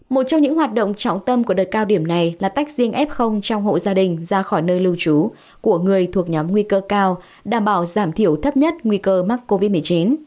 một trong những hoạt động trọng tâm của đợt cao điểm này là tách riêng f trong hộ gia đình ra khỏi nơi lưu trú của người thuộc nhóm nguy cơ cao đảm bảo giảm thiểu thấp nhất nguy cơ mắc covid một mươi chín